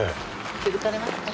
気付かれますか？